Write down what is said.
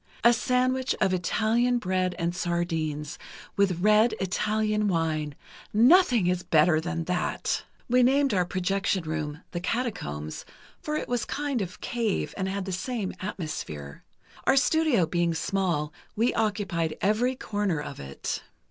A sandwich of Italian bread and sardines, with red Italian wine—nothing is better than that! We named our projection room 'The Catacombs,' for it was a kind of cave, and had the same atmosphere. Our studio being small, we occupied every corner of it."